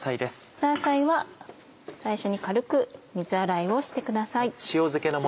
ザーサイは最初に軽く水洗いをしてください。